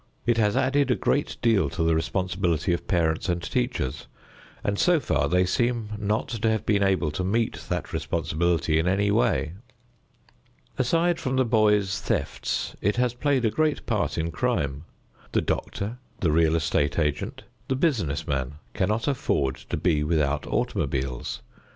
It has added a great deal to the responsibility of parents and teachers, and so far they seem not to have been able to meet that responsibility in any way. Aside from the boys' thefts it has played a great part in crime. The doctor, the real estate agent, the business man cannot afford to be without automobiles.